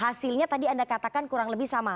hasilnya tadi anda katakan kurang lebih sama